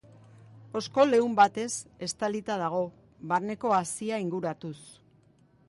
Oskol leun batez estalia dago, barneko hazia inguratuz.